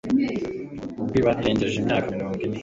ubwo iba irengeje imyaka mirongo ine,